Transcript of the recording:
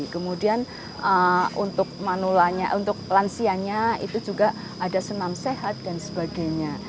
kemudian untuk lansianya itu juga ada senam sehat dan sebagainya